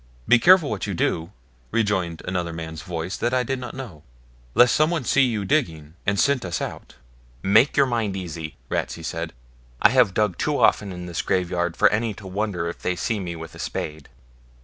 'Be careful what you do,' rejoined another man's voice that I did not know, 'lest someone see you digging, and scent us out.' 'Make your mind easy,' Ratsey said; 'I have dug too often in this graveyard for any to wonder if they see me with a spade.'